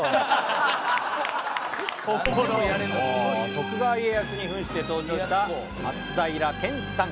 徳川家康に扮して登場した松平健さん。